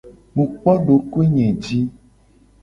Mu kpo dokoe nye ji.